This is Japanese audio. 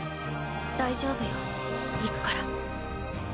大丈夫よ行くから。